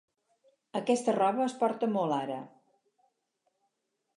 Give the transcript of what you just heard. Aquesta roba es porta molt ara.